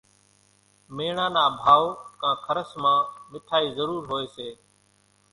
ميڻا نا ڀائو ڪان کرس مان مِٺائِي ضرور هوئيَ سي۔